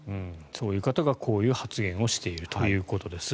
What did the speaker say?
そういう方がこういう発言をしているということです。